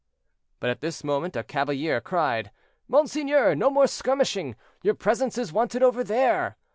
But at this moment a cavalier cried: "Monseigneur, no more skirmishing; your presence is wanted over there."